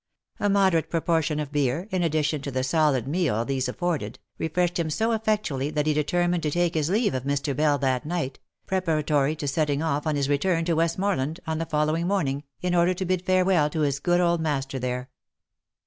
A moderate proportion of beer, in addition to the solid meal these afforded, refreshed him so effectually that he determined to take his leave of Mr. Bell that night, preparatory to setting off on his return to Westmorland on the following morning, in order to bid farewell to his good old master there.